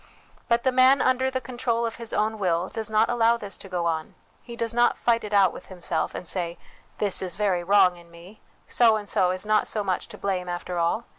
But the man under the control of his own will does not allow this to go on : he does not fight it out with himself, and say, ' This is very wrong in me. So and so is not so much to blame, after all.